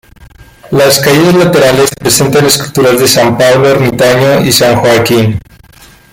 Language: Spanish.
Las calles laterales presentan esculturas de San Pablo Ermitaño y San Joaquín.